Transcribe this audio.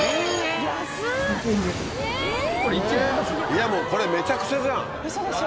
いやもうこれめちゃくちゃじゃん。